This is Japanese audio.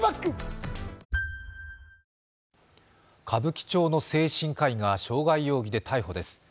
歌舞伎町の精神科医が傷害容疑で逮捕です。